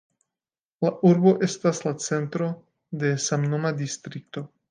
La urbo estas la centro de samnoma distrikto.